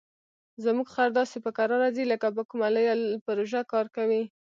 زموږ خر داسې په کراره ځي لکه په کومه لویه پروژه کار کوي.